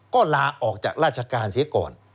ก็ลาออกจากราชกาลเศรียรกร